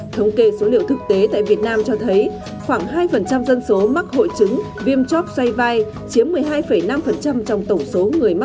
thống kê số liệu thực tế tại việt nam cho thấy khoảng hai dân số mắc hội chứng viêm chóp xoay vai chiếm một mươi hai năm trong tổng số người mắc